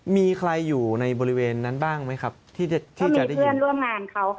มีใครอยู่ในบริเวณนั้นบ้างไหมครับที่จะได้เยี่ยมร่วมงานเขา